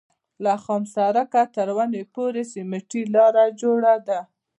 له خامه سړک نه تر ونې پورې سمټي لاره جوړه ده.